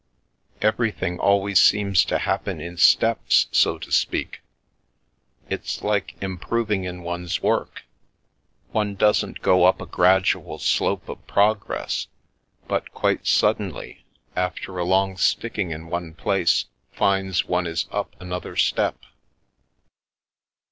Everything always seems to hap pen in steps, so to speak. It's like improving in one's work. One doesn't go up a gradual slope of progress, but quite suddenly, after a long sticking in one place, finds one is up another step.